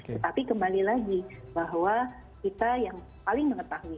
tetapi kembali lagi bahwa kita yang paling mengetahui